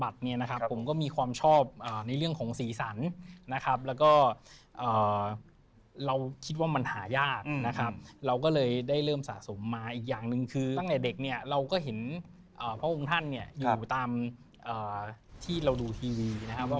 เราคิดว่ามันหายากนะครับเราก็เลยได้เริ่มสะสมมาอีกอย่างหนึ่งคือตั้งแต่เด็กเนี่ยเราก็เห็นพระองค์ท่านเนี่ยอยู่ตามที่เราดูทีวีนะครับว่า